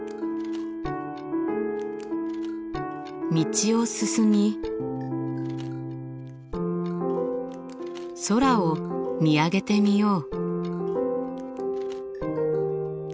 道を進み空を見上げてみよう。